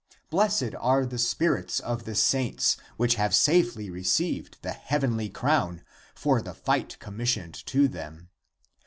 Blessed are the spirits of the saints which have safely received the heavenly crown for the fight commissioned to them.